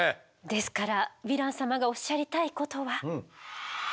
ですからヴィラン様がおっしゃりたいことは。